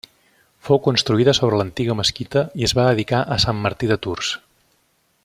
Fou construïda sobre l'antiga mesquita i es va dedicar a Sant Martí de Tours.